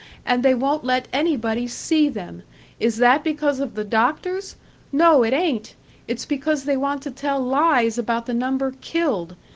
And they won't let anybody see them. Is that because of the doctors? No, it ain't! It's because they want to tell lies about the number killed!